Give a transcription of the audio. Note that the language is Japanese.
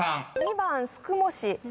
２番「すくも市」